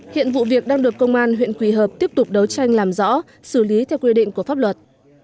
hiện vụ việc đang được công an huyện quỳ hợp tiếp tục đấu tranh làm rõ xử lý theo quy định của pháp luật